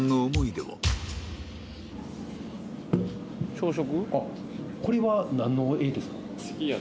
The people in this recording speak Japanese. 朝食？